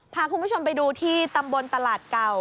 พาคุณผู้ชมไปดูที่ตำบลตลาดเก่า